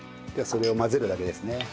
じゃあそれを混ぜるだけですね。